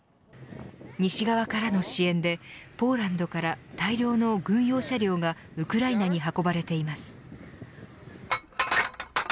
西側からの支援でポーランドから大量の軍用車両がウクライナに運ばれています。